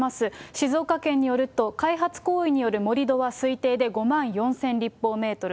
静岡県によると、開発行為による盛り土は推定で５万４０００立方メートル。